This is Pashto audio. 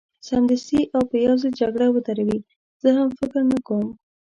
سمدستي او په یو ځل جګړه ودروي، زه هم فکر نه کوم.